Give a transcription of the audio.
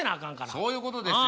そういうことですよ。